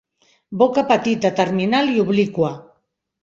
Boca petita, terminal i obliqua.